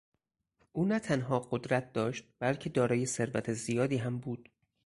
او نه تنها قدرت داشت بلکه دارای ثروت زیادی هم بود.